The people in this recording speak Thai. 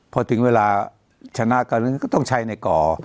พอถึงเวลาชนะกันก็ต้องใช้ในก่อ